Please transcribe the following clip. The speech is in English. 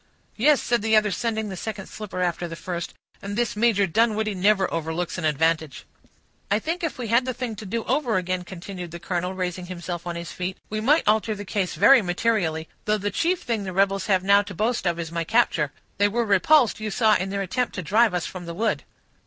"Yes," said the other, sending the second slipper after the first, "and this Major Dunwoodie never overlooks an advantage." "I think if we had the thing to do over again," continued the colonel, raising himself on his feet, "we might alter the case very materially, though the chief thing the rebels have now to boast of is my capture; they were repulsed, you saw, in their attempt to drive us from the wood."